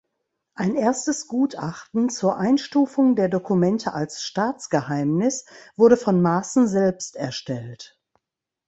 Ein erstes Gutachten zur Einstufung der Dokumente als Staatsgeheimnis wurde von Maaßen selbst erstellt.